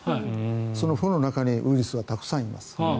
そのフンの中にウイルスはたくさんいます。